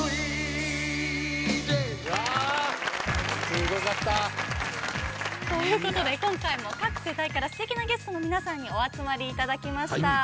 ・すごかった！ということで今回も各世代からすてきなゲストの皆さんにお集まりいただきました。